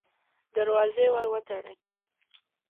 دروازه ورو وتړئ.